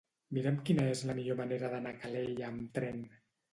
Mira'm quina és la millor manera d'anar a Calella amb tren.